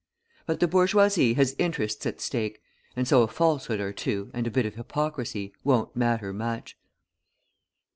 But the bourgeoisie has interests at stake, and so a falsehood or two and a bit of hypocrisy won't matter much.